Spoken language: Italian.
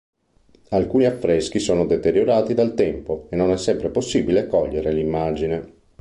Alcuni affreschi sono deteriorati dal tempo, e non sempre è possibile cogliere l'immagine.